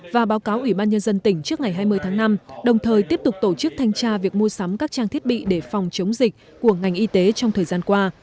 và báo cáo ubnd tỉnh trước ngày hai mươi tháng năm đồng thời tiếp tục tổ chức thanh tra việc mua sắm các trang thiết bị để phòng chống dịch của ngành y tế trong thời gian qua